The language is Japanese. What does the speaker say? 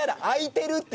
開いてる！